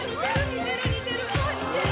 似てるあぁ似てる！